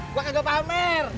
gue gak pamer